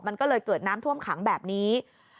มันก็เลยเกิดน้ำท่วมขังแบบนี้